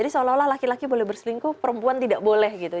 kalau laki laki boleh berselingkuh perempuan tidak boleh gitu